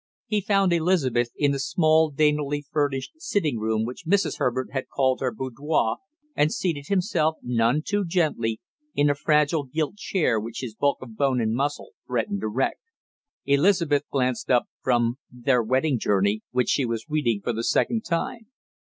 He found Elizabeth in the small, daintily furnished sitting room which Mrs. Herbert had called her "boudoir", and seated himself, none too gently, in a fragile gilt chair which his bulk of bone and muscle threatened to wreck. Elizabeth glanced up from Their Wedding Journey, which she was reading for the second time.